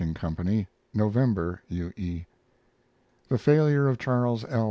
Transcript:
Co.), November. U. E. The failure of Charles L.